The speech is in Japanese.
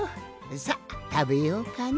さったべようかの。